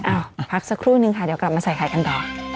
พักสักครู่นึงค่ะเดี๋ยวกลับมาใส่ไข่กันต่อ